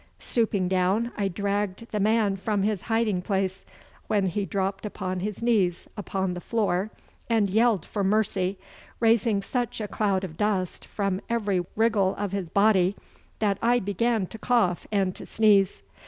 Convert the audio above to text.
Stooping down I dragged the man from his hiding place, when he dropped upon his knees upon the floor and yelled for mercy, raising such a cloud of dust from every wriggle of his body that I began to cough and to sneeze.